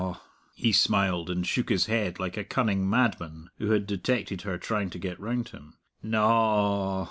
he smiled, and shook his head like a cunning madman who had detected her trying to get round him. "Na a a!